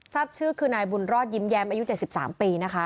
ทราบชื่อคือนายบุญรอดยิ้มแย้มอายุ๗๓ปีนะคะ